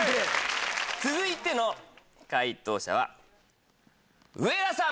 続いての解答者は上田さん！